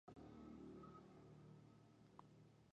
تعلیم لرونکې میندې د ماشومانو د خوراک خوندي کول تضمینوي.